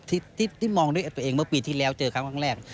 ที่มองด้วยตัวเองเมื่อปีที่แล้วเจอครั้งแรก